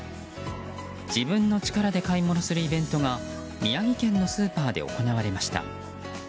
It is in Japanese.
自分の力で買い物するイベントが宮城県のスーパーで行われました。